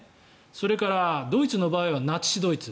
それからドイツの場合はナチス・ドイツ。